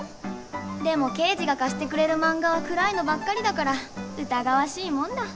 でも圭次が貸してくれる漫画は暗いのばっかりだから疑わしいもんだ。